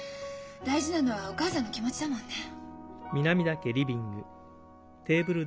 大事なのはお母さんの気持ちだもんね。